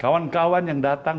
kawan kawan yang datang